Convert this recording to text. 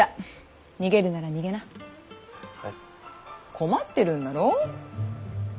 困ってるんだろ？